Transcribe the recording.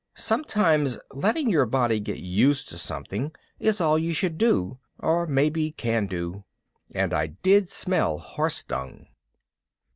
Sometimes letting your body get used to something is all you should do, or maybe can do. And I did smell horse dung.